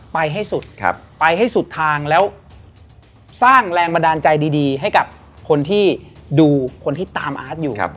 ไปให้สุดไปให้สุดทางแล้วสร้างแรงบันดาลใจดีให้กับคนที่ดูคนที่ตามอาร์ตอยู่